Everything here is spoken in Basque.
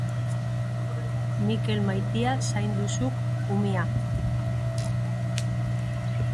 Mikel maitia zaindu zuk umia.